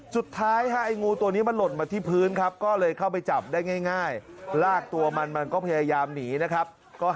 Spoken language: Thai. สุดท้ายฮะไอ้งูตัวนี้มันหล่นมาที่พื้นครับ